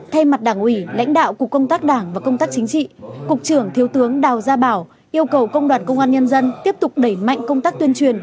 thay mặt đảng ủy lãnh đạo cục công tác đảng và công tác chính trị cục trưởng thiếu tướng đào gia bảo yêu cầu công đoàn công an nhân dân tiếp tục đẩy mạnh công tác tuyên truyền